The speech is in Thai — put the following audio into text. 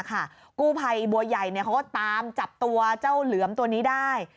กู้ภัยบัวใหญ่เขาก็ตามจับตัวเจ้าเหลือมตัวนี้ได้